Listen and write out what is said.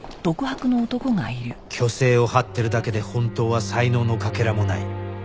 虚勢を張ってるだけで本当は才能のかけらもない